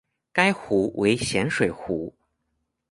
该湖为咸水湖。